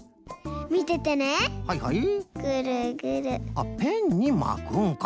あっペンにまくんか。